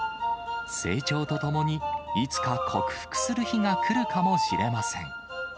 成長とともにいつか克服する日が来るかもしれません。